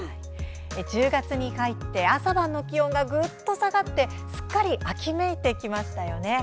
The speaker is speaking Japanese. １０月に入って朝晩の気温がぐっと下がってすっかり秋めいてきましたね。